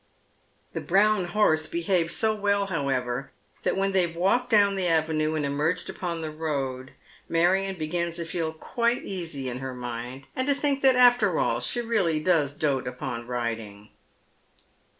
The brown horse behaves so well, however, that when they have walked down the avenue and emerged upon the road, Marion begins to feel quite easy in her mind, and to think that after all she really does doat upon riding.